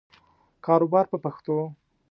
کاروبار په پښتو.